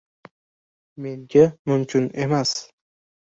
— Menga mumkin emas.